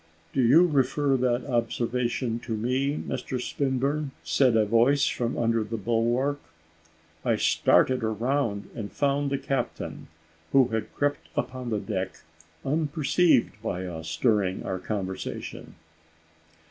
"Do you refer that observation to me, Mr Swinburne?" said a voice from under the bulwark. I started round, and found the captain, who had crept upon deck, unperceived by us, during our conversation.